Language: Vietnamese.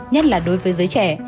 nhất là đối với giới trẻ